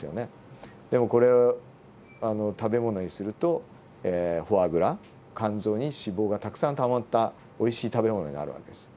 でもこれを食べ物にするとフォアグラ肝臓に脂肪がたくさんたまったおいしい食べ物になる訳です。